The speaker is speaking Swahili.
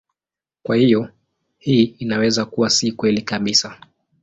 Kwa hiyo hii inaweza kuwa si kweli kabisa.